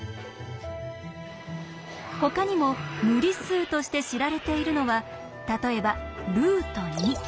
ほかにも無理数として知られているのは例えば。